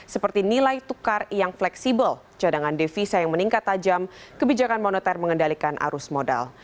seperti nilai tukar yang fleksibel cadangan devisa yang meningkat tajam kebijakan moneter mengendalikan arus modal